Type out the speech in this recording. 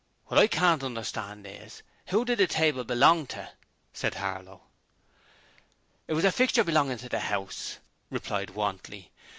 'What I can't understand is, who did the table belong to?' said Harlow. 'It was a fixture belongin' to the 'ouse,' replied Wantley.